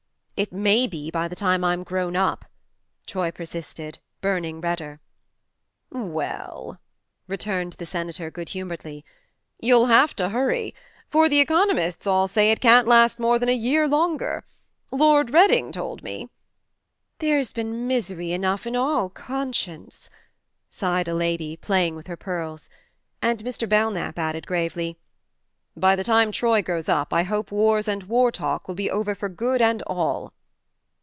" It may be by the time I'm grown up," Troy persisted, burning redder. " Well," returned the Senator good humouredly, " you'll have to hurry, for the economists all say it can't last more than a year longer. Lord Reading told me "" There's been misery enough, in all conscience," sighed a lady, playing with her pearls ; and Mr. Belknap added gravely :" By the time Troy grows up I hope wars and war talk will be over for good and all."